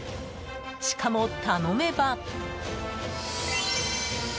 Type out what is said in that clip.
しかも頼めば。